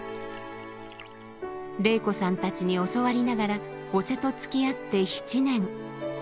玲子さんたちに教わりながらお茶とつきあって７年。